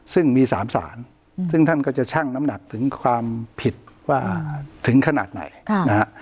ซึ่งมี๓สารซึ่งท่านก็จะชั่งน้ำหนักถึงความผิดว่าถึงขนาดไหนนะฮะ